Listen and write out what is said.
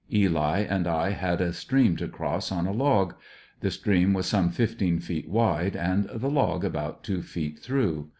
Eli and I had a stream to cross on a log. The stream was some fifteen feet wide, and the log about two feet through.